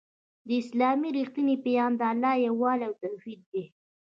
د اسلام رښتينی پيغام د الله يووالی او توحيد دی